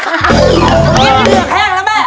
ต้องเล่นกันอยู่ในเรืองแข้งเ้วนะแม่